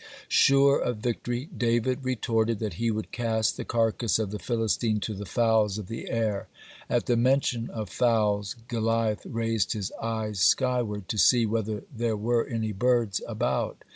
(41) Sure of victory, David retorted that he would cast the carcass of the Philistine to the fowls of the air. At the mention of fowls, Goliath raised his eyes skyward, to see whether there were any birds about.